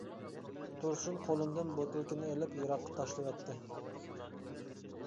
تۇرسۇن قولۇمدىن بوتۇلكىنى ئىلىپ يىراققا تاشلىۋەتتى.